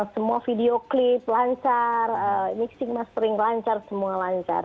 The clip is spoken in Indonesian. semua video klip lancar mixing mastering lancar semua lancar